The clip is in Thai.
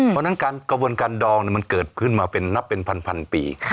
เพราะฉะนั้นการกระบวนการดองมันเกิดขึ้นมาเป็นนับเป็นพันปี